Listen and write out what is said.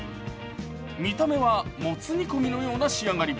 見た目はもつ煮込みのような仕上がり。